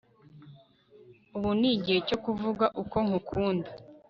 ubu ni igihe cyo kuvuga uko nkukunda